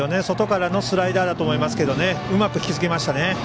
外からのスライダーだと思いますがうまく引き付けました。